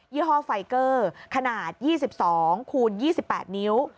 ี่ห้อไฟเกอร์ขนาด๒๒คูณ๒๘นิ้ว